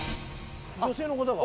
女性の方が。